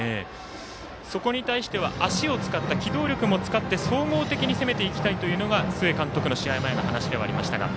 そこに対しては足を使った機動力も使って総合的に攻めていきたいというのが試合前の須江監督でしたが。